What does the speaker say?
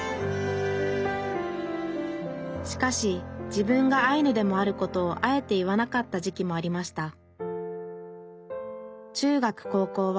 しかし自分がアイヌでもあることをあえて言わなかった時期もありました。